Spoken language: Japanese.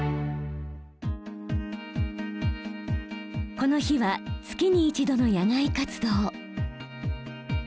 この日は月に一度の野外活動。